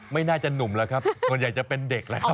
ไม่น่าจะหนุ่มล่ะครับคนใหญ่จะเป็นเด็กล่ะครับ